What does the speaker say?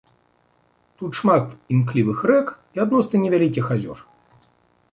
Тут шмат імклівых рэк і адносна невялікіх азёр.